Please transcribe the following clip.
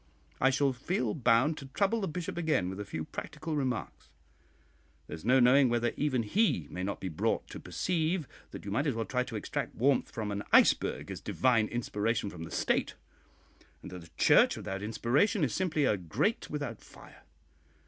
I shall feel bound to trouble the Bishop again with a few practical remarks. There is no knowing whether even he may not be brought to perceive that you might as well try to extract warmth from an iceberg as divine inspiration from the State, and that a Church without inspiration is simply a grate without fire.